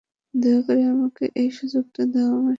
দয়া করে আমাকে এই সুযোগটা দাও, আমার সাথে থাকো।